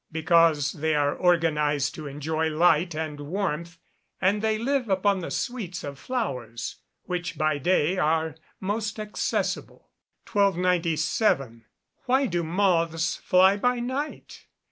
_ Because they are organised to enjoy light and warmth, and they live upon the sweets of flowers which by day are most accessible. 1297. _Why do moths fly by night?